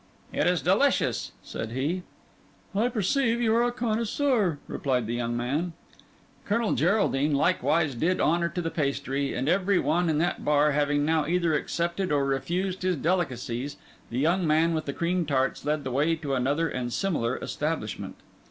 "It is delicious," said he. "I perceive you are a connoisseur," replied the young man. Colonel Geraldine likewise did honour to the pastry; and every one in that bar having now either accepted or refused his delicacies, the young man with the cream tarts led the way to another and similar establishment.